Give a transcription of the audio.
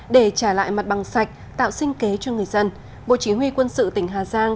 để trả lại mặt bằng sạch tạo sinh kế cho người dân bộ chỉ huy quân sự tỉnh hà giang